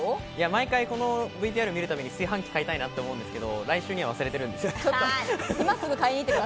毎回このＶＴＲ見るたびに炊飯器買いたいなって思うんだけど来週には忘れてる。